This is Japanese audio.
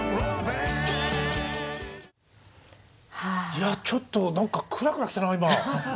いやちょっと何かクラクラ来たな今。